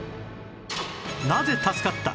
なぜ助かった？